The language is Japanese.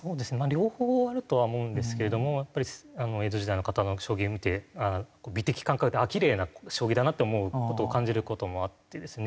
両方あるとは思うんですけれども江戸時代の方の将棋を見て美的感覚キレイな将棋だなって思う事感じる事もあってですね。